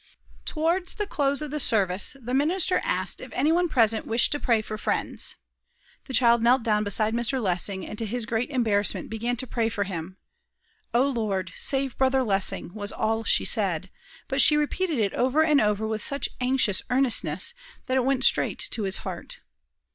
Towards the close of the service the minister asked if any one present wished to pray for friends. The child knelt down beside Mr. Lessing, and to his great embarrassment began to pray for him. "O Lord, save Brother Lessing!" was all she said, but she repeated it over and over with such anxious earnestness, that it went straight to his heart.